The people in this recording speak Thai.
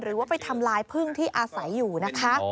หรือว่าไปทำลายพึ่งที่อาศัยอยู่นะคะ